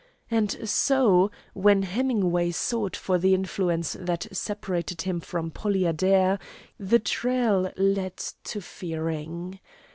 And so, when Hemingway sought for the influence that separated him from Polly Adair, the trail led to Fearing.